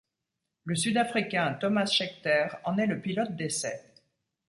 Le Sud-Africain Tomas Scheckter en est le pilote d'essais.